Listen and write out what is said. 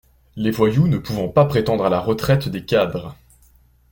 les voyous ne pouvant pas prétendre à la retraite des cadres.